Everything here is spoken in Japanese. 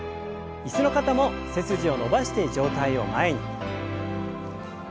椅子の方も背筋を伸ばして上体を前に。